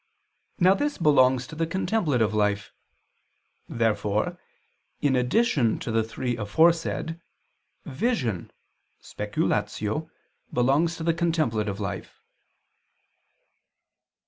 ']." Now this belongs to the contemplative life. Therefore in addition to the three aforesaid, vision (speculatio) belongs to the contemplative life.